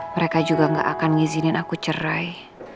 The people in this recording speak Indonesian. mereka juga gak akan ngizinin aku cerai